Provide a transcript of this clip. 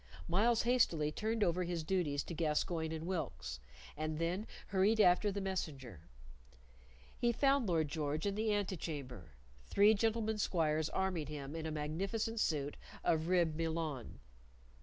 Myles hastily turned over his duties to Gascoyne and Wilkes, and then hurried after the messenger. He found Lord George in the antechamber, three gentlemen squires arming him in a magnificent suit of ribbed Milan.